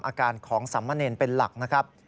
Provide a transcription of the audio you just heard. อาการของสามเณรเป็นหลักนะครับ